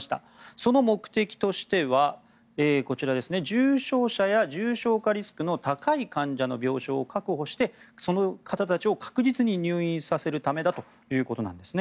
その目的としてはこちら、重症者や重症化リスクの高い患者の病床を確保してその方たちを確実に入院させるためだということですね。